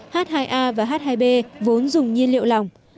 h hai a và h hai b vốn dùng nhiên liệu lỏng